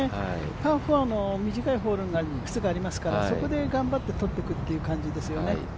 パー４も短いホールがいくつかありますからそこで頑張って取っていくっていう感じですよね。